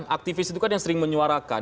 aktivis itu kan yang sering menyuarakan